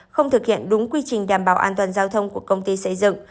không thực hiện đúng quy trình đảm bảo an toàn giao thông của công ty xây dựng